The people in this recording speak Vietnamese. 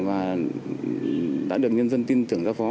và đã được nhân dân tin tưởng ra phó